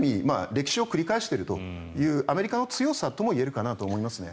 歴史を繰り返しているアメリカの強さといえると思います。